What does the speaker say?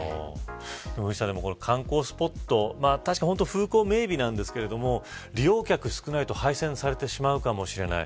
観光スポットたしかに風光明媚なんですけど利用客が少ないと廃線にされてしまうかもしれない。